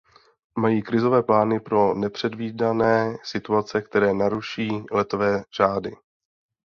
Mají krizové plány pro nepředvídané situace, které naruší letové řády.